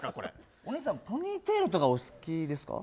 お兄さんポニーテールとかお好きですか？